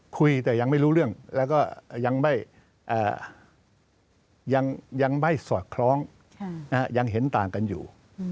คุยแต่ยังไม่รู้เรื่องแล้วก็ยังไม่สอดคล้องยังเห็นต่างกันอยู่